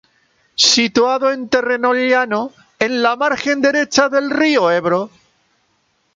Situado en terreno llano, en la margen derecha del río Ebro.